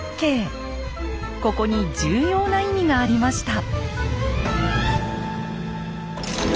ここに重要な意味がありました。